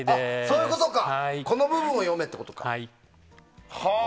この部分を読めってことか。